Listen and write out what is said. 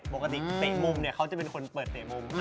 ปกติเตะมุมเนี่ยเขาจะเป็นคนเปิดเตะมุม